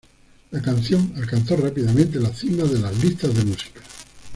La canción alcanzó rápidamente la cima de las listas de música.